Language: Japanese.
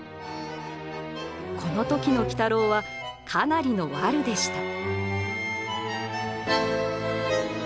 この時の鬼太郎はかなりのワルでした。